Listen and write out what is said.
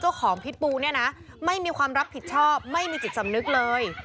พิษบูเนี่ยนะไม่มีความรับผิดชอบไม่มีจิตสำนึกเลย